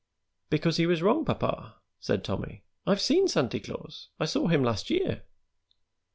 "Because he was wrong, papa," said Tommy. "I've seen Santy Claus; I saw him last year."